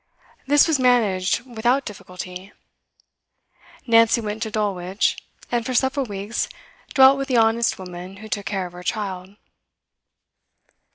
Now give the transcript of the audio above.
This was managed without difficulty. Nancy went to Dulwich, and for several weeks dwelt with the honest woman who took care of her child.